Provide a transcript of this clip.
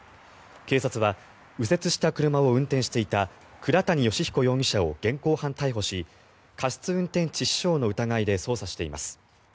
警察は右折した車を運転していた倉谷美彦容疑者を現行犯逮捕し過失運転致死傷の疑いで捜査しています。